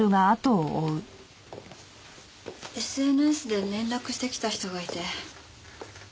ＳＮＳで連絡してきた人がいて。